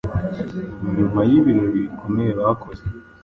Nyuma y’ibirori bikomeye bakoze